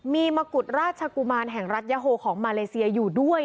มีมกุฎราชกุมารแห่งรัฐยาโฮของมาเลเซียอยู่ด้วย